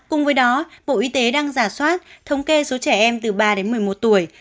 cùng với đó bộ y tế đang giả soát thống kê số trẻ em từ ba đến một mươi một tuổi